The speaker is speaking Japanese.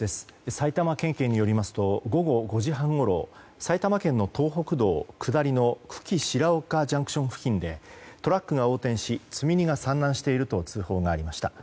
埼玉県警によりますと午後５時半ごろ埼玉県の東北道下りの久喜白岡ＪＣＴ付近でトラックが横転し積み荷が散乱していると通報がありました。